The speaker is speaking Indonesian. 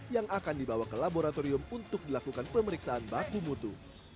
yang akan dibawa ke laboratorium untuk dilakukan pemeriksaan baku mutu